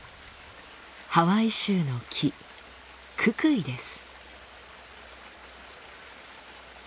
ハワイ州の木ククイです。